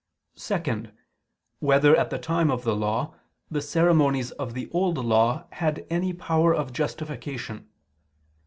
(2) Whether at the time of the Law the ceremonies of the Old Law had any power of justification?